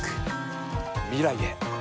未来へ。